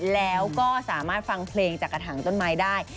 แล้วก็สามารถฟังเพลงจากกระถางต้นไม้ได้